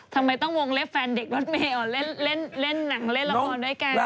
ทำไมต้องวงเล็บแฟนเด็กรถเมย์เล่นหนังเล่นละครด้วยกัน